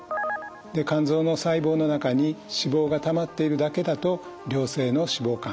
肝臓の細胞の中に脂肪がたまっているだけだと良性の脂肪肝。